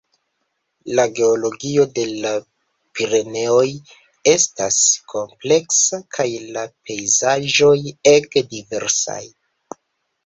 La geologio de la Pireneoj estas kompleksa kaj la pejzaĝoj ege diversaj.